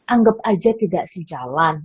anggap aja tidak sejalan